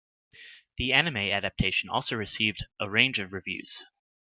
The anime adaptation also received a range of reviews.